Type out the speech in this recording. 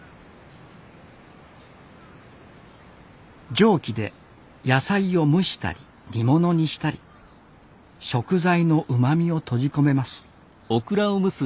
蒸気で野菜を蒸したり煮物にしたり食材のうまみを閉じ込めます。